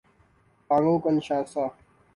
Congo - کنشاسا